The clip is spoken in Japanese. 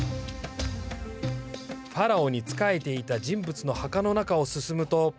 ファラオに仕えていた人物の墓の中を進むと。